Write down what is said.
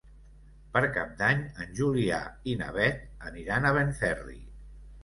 Per Cap d'Any en Julià i na Beth aniran a Benferri.